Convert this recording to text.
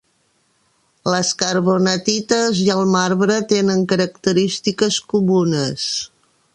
Les carbonatites i el marbre tenen característiques comunes.